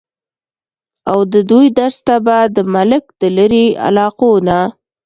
اود دوي درس ته به د ملک د لرې علاقو نه